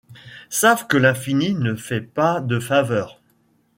Savent que l'infini ne fait pas de faveurs -